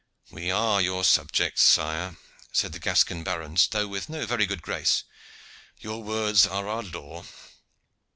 "We are your subjects, sire," said the Gascon barons, though with no very good grace. "Your words are our law."